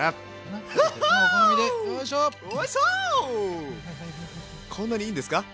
あこんなにいいんですか？